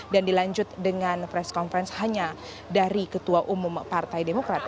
dan dilanjut dengan press conference hanya dari ketua umum partai demokrat